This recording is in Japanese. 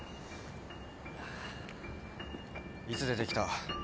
いつ出てきた？